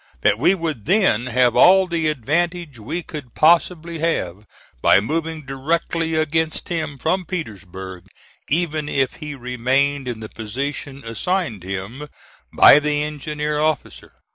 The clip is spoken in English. That we would then have all the advantage we could possibly have by moving directly against him from Petersburg, even if he remained in the position assigned him by the engineer officer.